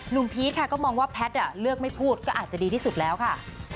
พีชค่ะก็มองว่าแพทย์เลือกไม่พูดก็อาจจะดีที่สุดแล้วค่ะ